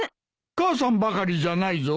母さんばかりじゃないぞ。